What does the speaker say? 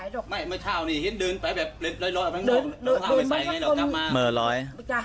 เดินมาสักคนเมื่อร้อย